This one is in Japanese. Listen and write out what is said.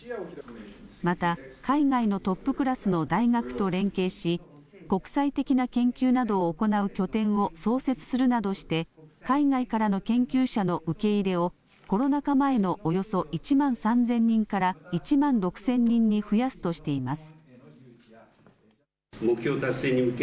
また海外のトップクラスの大学と連携し国際的な研究などを行う拠点を創設するなどして海外からの研究者の受け入れをコロナ禍前のおよそ１万３０００人から１万６０００人に増やすとしています。